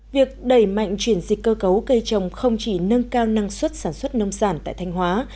việc đẩy mạnh chuyển dịch cơ cấu cây trồng không chỉ nâng cao năng suất sản xuất nông sản tại thanh hóa